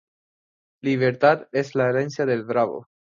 Libertad es la herencia del bravo;